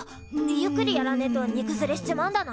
ゆっくりやらねえとにくずれしちまうんだな！